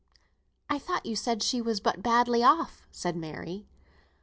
] "I thought you said she was but badly off," said Mary.